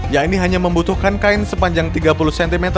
yaitu hanya membutuhkan kain sepanjang tiga puluh cm